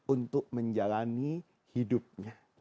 untuk menjalani hidupnya